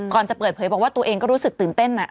จะเปิดเผยบอกว่าตัวเองก็รู้สึกตื่นเต้น